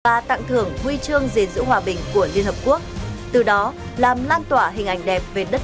và tặng thưởng huy chương gìn giữ hòa bình của liên hợp quốc từ đó làm lan tỏa hình ảnh đẹp về đất